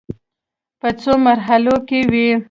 په څو مرحلو کې وې.